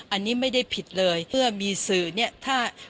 อันนี้ไม่ได้ผิดเลยเมื่อมีสื่อเนี่ยถ้า